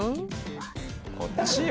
こっちよ！